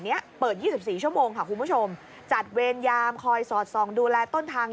เนี้ยเปิด๒๔ชั่วโมงค่ะคุณผู้ชมจัดเวรยามคอยสอดส่องดูแลต้นทาง